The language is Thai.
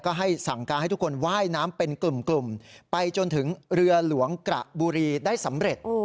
ก็ให้สั่งการให้ทุกคนว่ายน้ำเป็นกลุ่มไปจนถึงเรือหลวงกระบุรีได้สำเร็จ